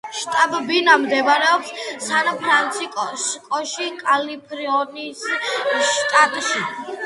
შტაბ-ბინა მდებარეობს სან-ფრანცისკოში, კალიფორნიის შტატში.